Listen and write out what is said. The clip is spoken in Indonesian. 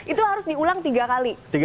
itu harus diulang tiga kali